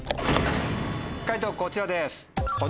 解答こちらです。